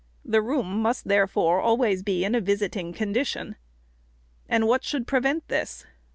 The room must, therefore, always be in a visiting condition. And what should prevent this